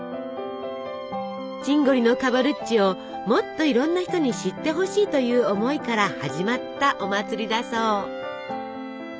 チンゴリのカバルッチをもっといろんな人に知ってほしいという思いから始まったお祭りだそう。